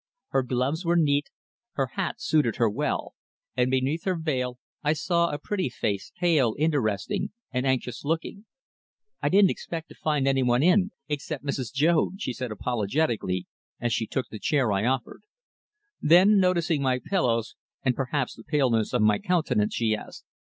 Her gloves were neat, her hat suited her well, and beneath her veil I saw a pretty face, pale, interesting and anxious looking. "I didn't expect to find any one in, except Mrs. Joad," she said apologetically, as she took the chair I offered. Then, noticing my pillows, and perhaps the paleness of my countenance, she asked.